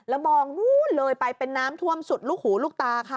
แล้วมองนู้นเลยไปเป็นน้ำท่วมสุดลูกหูลูกตาค่ะ